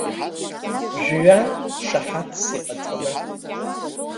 Жәҩан шаҳаҭс иҟаҵаны.